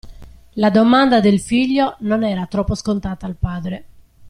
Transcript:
La domanda del figlio non era troppo scontata al padre.